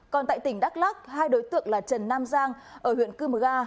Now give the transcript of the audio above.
còn tại tỉnh đắk lắc hai đối tượng là trần nam giang ở huyện cư mơ ga